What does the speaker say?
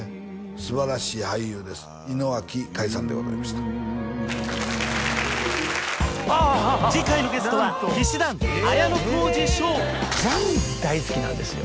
すばらしい俳優です井之脇海さんでございました次回のゲストはジャニーズ大好きなんですよ